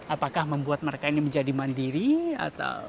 apakah membuat mereka ini menjadi mandiri atau